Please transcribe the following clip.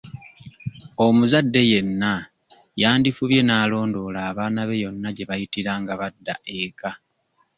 Omuzadde yenna yandifubye n'alondoola abaana be yonna gye bayitira nga badda eka.